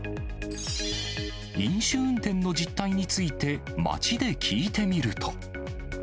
飲酒運転の実態について、街で聞いてみると。